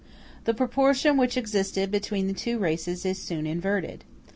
The proportion which existed between the two races is soon inverted.